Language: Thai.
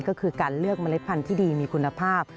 ก็คือการเลือกเมล็ดพันธุ์ที่ดีมีคุณภาพ